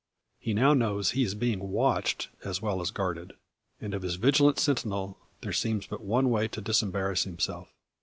He now knows he is being watched, as well as guarded. And of his vigilant sentinel there seems but one way to disembarrass himself.